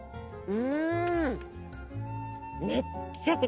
うん。